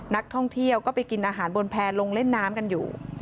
นักท่องเที่ยวก็ไปกินอาหารบนแพร่ลงเล่นน้ำกันอยู่